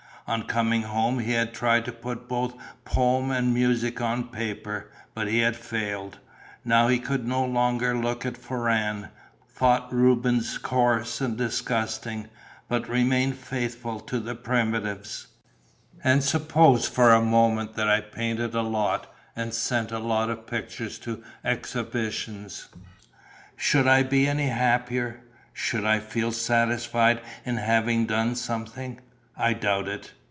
On coming home he had tried to put both poem and music on paper, but he had failed. Now he could no longer look at Forain, thought Rubens coarse and disgusting, but remained faithful to the Primitives: "And suppose for a moment that I painted a lot and sent a lot of pictures to exhibitions? Should I be any the happier? Should I feel satisfied in having done something? I doubt it.